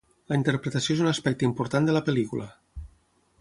La interpretació és un aspecte important de la pel·lícula.